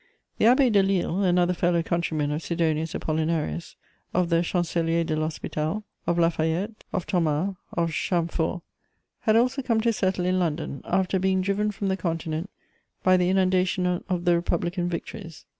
The Abbé Delille, another fellow countryman of Sidonius Apollinarius, of the Chancelier de l'Hospital, of La Fayette, of Thomas, of Chamfort, had also come to settle in London, after being driven from the Continent by the inundation of the Republican victories.